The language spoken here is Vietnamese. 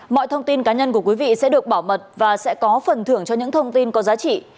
mọi thông tin cá nhân của quý vị sẽ được bảo mật và sẽ có phần thưởng cho những thông tin có giá trị